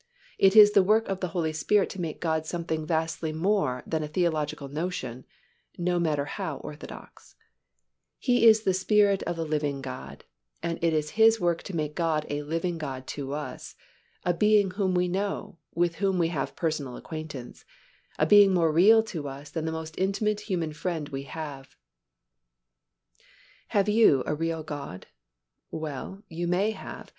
It is the work of the Holy Spirit to make God something vastly more than a theological notion, no matter how orthodox; He is the Spirit of the living God, and it is His work to make God a living God to us, a Being whom we know, with whom we have personal acquaintance, a Being more real to us than the most intimate human friend we have. Have you a real God? Well, you may have.